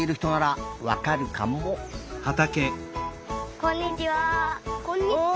こんにちは。